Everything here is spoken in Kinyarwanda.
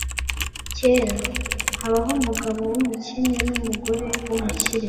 Kera, habaho umugabo wumukene numugore wumukire